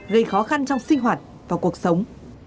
gây khó khăn trong sinh hoạt và cuộc sống